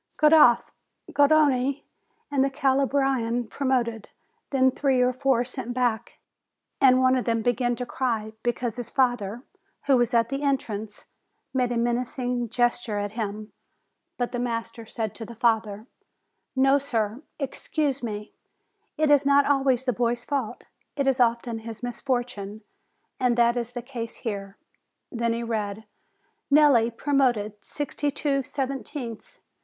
GarofH, Garrone, and the Calabrian promoted. Then three or four sent back ; and one of them began to cry because his father, who was at the entrance, FAREWELL 347 made a menacing gesture at him. But the master said to the father: "No, sir, excuse me; it is not always the boy's fault; it is often his misfortune. And that is the case here." Then he read : "Nelli, promoted, sixty two seventieths."